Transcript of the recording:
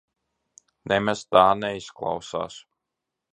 Nemaz tā neizklausās.